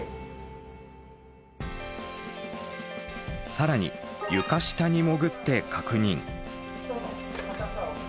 更に床下に潜って確認。